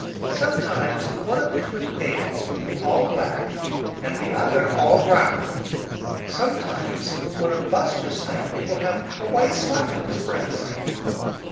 Sometimes one of the twin babies will be all black and the other all brown. Sometimes one of Buster's family will have a white spot on his breast.